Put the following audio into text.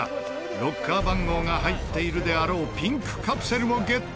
ロッカー番号が入っているであろうピンクカプセルをゲット。